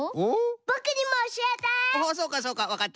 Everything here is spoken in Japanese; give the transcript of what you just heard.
ぼくにもおしえて。